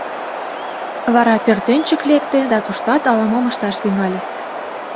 Вара пӧртӧнчык лекте да туштат ала-мом ышташ тӱҥале.